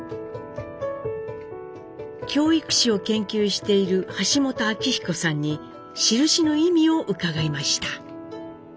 教育史を研究している橋本昭彦さんに印の意味を伺いました。